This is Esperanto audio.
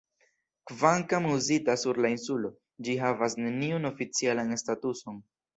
Kvankam uzita sur la insulo, ĝi havas neniun oficialan statuson.